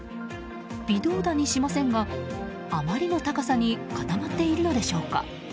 微動だにしませんがあまりの高さに固まっているのでしょうか。